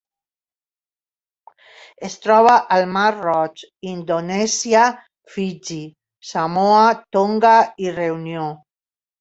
Es troba al mar Roig, Indonèsia, Fiji, Samoa, Tonga i Reunió.